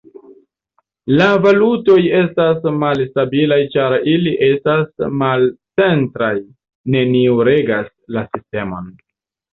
La valutoj estas malstabilaj ĉar ili estas malcentraj, neniu regas la sistemon.